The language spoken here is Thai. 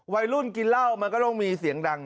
วัยรุ่นกินเหล้ามันก็ต้องมีเสียงดัง